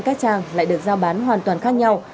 các trang lại được giao bán hoàn toàn khác nhau